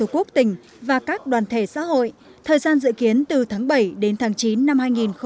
quốc tỉnh và các đoàn thể xã hội thời gian dự kiến từ tháng bảy đến tháng chín năm hai nghìn hai mươi